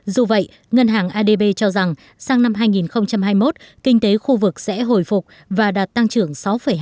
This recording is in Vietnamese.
dù vậy ngân hàng adb cho rằng sang năm hai nghìn hai mươi một kinh tế khu vực sẽ hồi phục và đạt tăng trưởng sáu hai